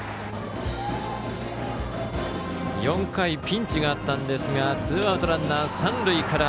４回、ピンチがあったんですがツーアウトランナー、三塁から。